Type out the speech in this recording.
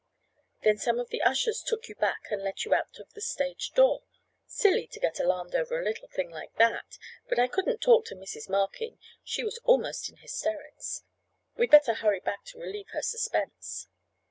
Then some of the ushers took you back and let you out of the stage door. Silly, to get alarmed over a little thing like that. But I couldn't talk to Mrs. Markin—she was almost in hysterics. We'd better hurry back to relieve her suspense."